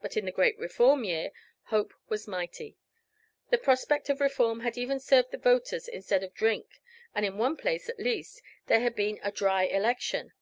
But in the great Reform year Hope was mighty: the prospect of Reform had even served the voters instead of drink; and in one place, at least, there had been "a dry election."